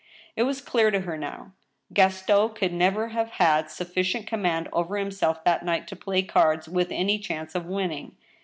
It was clear to her now. Gaston could never have had sufficient command over himself that night to play cards with any chance of winning.